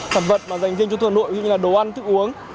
sản vật mà dành riêng cho thu hà nội như là đồ ăn thức uống